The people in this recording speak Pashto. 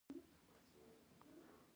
پسه د سولې نښه ده.